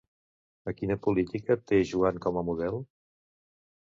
A quina política té Joan com a model?